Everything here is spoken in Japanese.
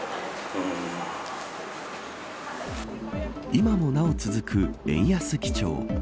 今もなお続く、円安基調。